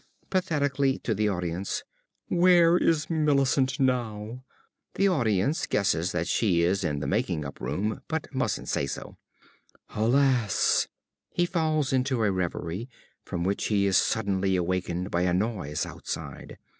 (Pathetically to the audience.) Where is Millicent now? (The audience guesses that she is in the making up room, but musn't say so.) Alas! (_He falls into a reverie, from which he is suddenly wakened by a noise outside.